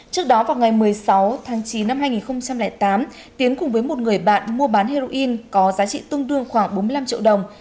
trước đó vào ngày một mươi sáu tháng chín năm hai nghìn tám tiến cùng với một người bạn mua bán heroin có giá trị tương đương khoảng bốn mươi năm triệu đồng